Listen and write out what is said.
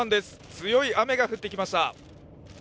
強い雨が降ってきました。